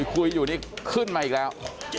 คุยอยู่นี่ขึ้นมาอีกแล้ว